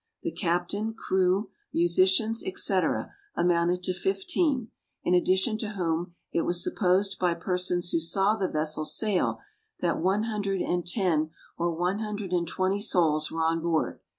The captain, crew, musicians, &c. amounted to fifteen, in addition to whom, it was supposed by persons who saw the vessel sail that one hundred and ten or one hundred and twenty souls were on board.